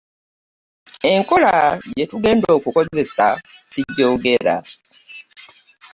Enkola gye tugenda okukozesa ssigyogera.